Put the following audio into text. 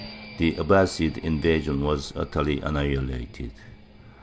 The Abbāside invasion was utterly annihilated.